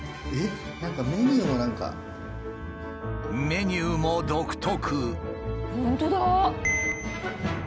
メニューも独特。